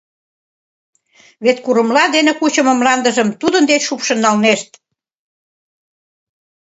Вет курымла дене кучымо мландыжым тудын деч шупшын налнешт.